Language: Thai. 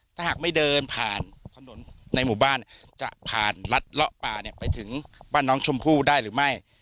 ถ้าหากไม่เดินผ่านถนนในหมู่บ้านจะผ่านรัดเลาะป่าเนี่ยไปถึงบ้านน้องชมพู่ได้หรือไม่